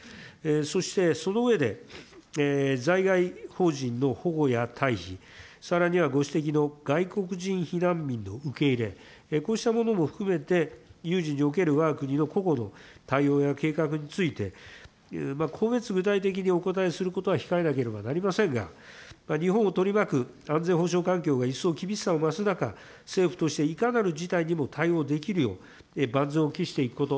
そしてその上で、在外邦人の保護や退避、さらにはご指摘の外国人避難民の受け入れ、こうしたものも含めて、有事におけるわが国の保護の対応や計画について、個別具体的にお答えすることは控えなければなりませんが、日本を取り巻く安全保障環境が一層厳しさを増す中、政府としていかなる事態にも対応できるよう、万全を期していくこと。